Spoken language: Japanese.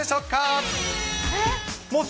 えっ？